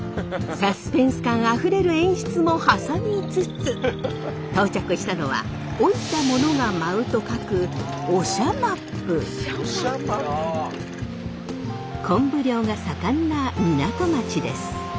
サスペンス感あふれる演出も挟みつつ到着したのは老いた者が舞うと書くコンブ漁が盛んな港町です。